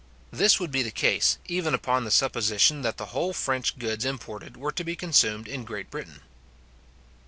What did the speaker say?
This would be the case, even upon the supposition that the whole French goods imported were to be consumed in Great Britain.